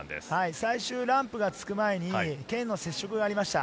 最終ランプがつく前に剣の接触がありました。